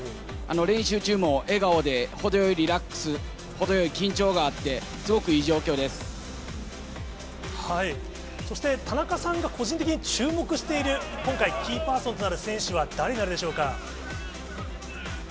練習中も笑顔で、程よいリラックス、程よい緊張があって、すごくそして、田中さんが個人的に注目している、今回、キーパーソンとなる選手は誰になるでしょうか。